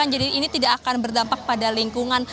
jadi ini tidak akan berdampak pada lingkungan